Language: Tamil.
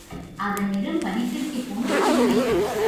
அதன் நிறம் பனிக்கட்டி போன்ற வெண்மை.